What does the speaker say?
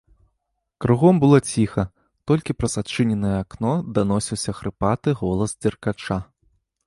Кругом было ціха, толькі праз адчыненае акно даносіўся хрыпаты голас дзеркача.